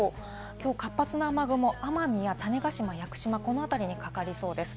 活発な雨雲は奄美や種子島、屋久島、この辺りにかかりそうです。